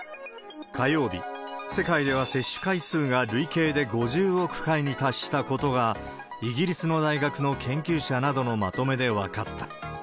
火曜日、世界では接種回数が累計で５０億回に達したことが、イギリスの大学の研究者などのまとめで分かった。